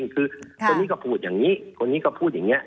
คือคนนี้ก็พูดอย่างนี้คนนี้ก็พูดอย่างนี้